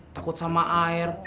takut sama air